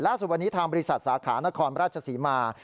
ล่าสุดวันนี้ทางบริษัทสาขานครราชศรีมา